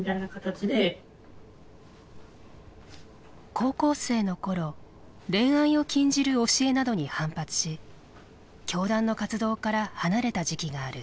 高校生の頃恋愛を禁じる教えなどに反発し教団の活動から離れた時期がある。